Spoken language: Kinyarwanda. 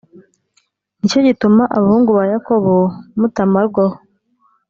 ni cyo gituma abahungu ba Yakobo mutamarwaho.